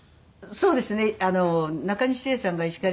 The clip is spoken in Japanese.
そうですよね。